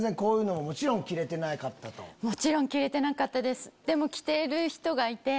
もちろん着れてなかったです。